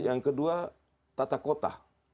yang kedua tata kota